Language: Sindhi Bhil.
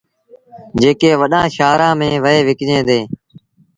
جيڪي وڏآݩ شآهرآݩ ميݩ وهي وڪجيٚن ديٚݩ۔